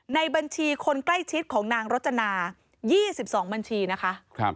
ในบัญชีคนใกล้ชิดของนางรจนา๒๒บัญชีนะคะ